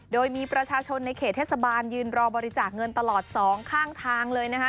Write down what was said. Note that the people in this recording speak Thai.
โดยมีประชาชนในเขตเทศบาลยืนรอบริจาคเงินตลอดสองข้างทางเลยนะคะ